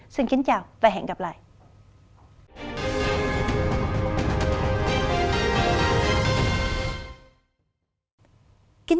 xin kính chào và hẹn gặp lại